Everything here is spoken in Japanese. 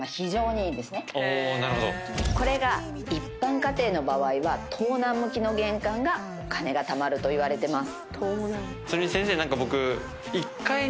これが一般家庭の場合は東南向きの玄関がお金がたまるといわれてます。